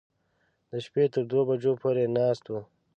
د شپې تر دوو بجو پورې ناست و.